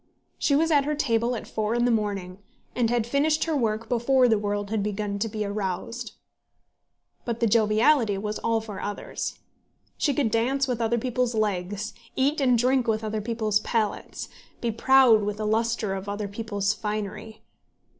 She was at her table at four in the morning, and had finished her work before the world had begun to be aroused. But the joviality was all for others. She could dance with other people's legs, eat and drink with other people's palates, be proud with the lustre of other people's finery.